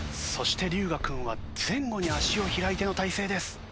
そして龍我君は前後に脚を開いての体勢です。